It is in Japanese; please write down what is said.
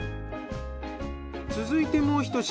続いてもうひと品。